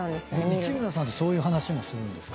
市村さんとそういう話もする？